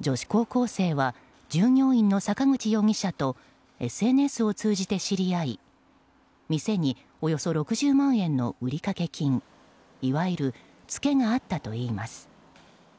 女子高校生は従業員の坂口容疑者とＳＮＳを通じて知り合い店におよそ６０万円の売掛金いわゆるツケがあったといいます。